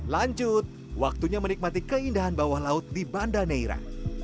lanjut waktunya menikmati keindahan bawah laut di banda neira